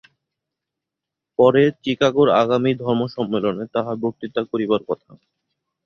পরে চিকাগোর আগামী ধর্মসম্মেলনে তাঁহার বক্তৃতা করিবার কথা।